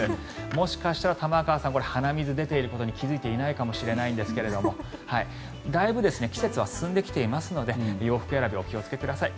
もしかしたら玉川さん鼻水が出ていることに気付いていないかもしれないんですがだいぶ季節は進んできていますので洋服選び、お気をつけください。